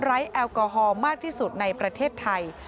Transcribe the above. แอลกอฮอล์มากที่สุดในประเทศไทย